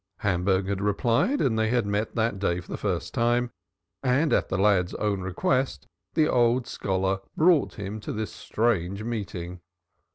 Hamburg had replied; they had met that day for the first time and at the lad's own request the old scholar brought him on to this strange meeting.